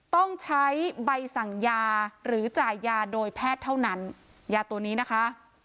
ต้องใช้ใบสั่งยาหรือจ่ายยาโดยแพทย์เท่านั้นยาตัวนี้นะคะ